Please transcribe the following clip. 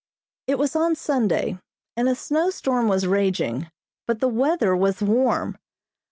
It was on Sunday, and a snow storm was raging, but the weather was warm.